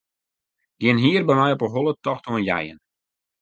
Gjin hier by my op 'e holle tocht oan jeien.